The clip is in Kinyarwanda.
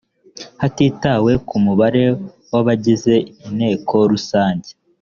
hatitawe ku mubare w abagize inteko rusange